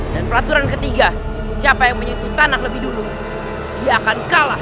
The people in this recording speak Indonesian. dan peraturan ketiga siapa yang menyentuh tanah lebih dulu dia akan kalah